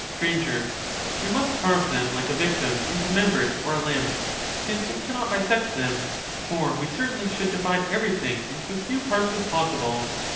Str, We must carve them like a victim into members or limbs, since we cannot bisect them \ For we certainly should divide everything into as few parts as possible.